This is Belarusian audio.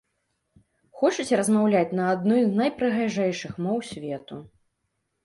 Хочаце размаўляць на адной з найпрыгажэйшых моў свету?